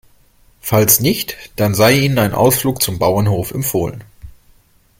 Falls nicht, dann sei Ihnen ein Ausflug zum Bauernhof empfohlen.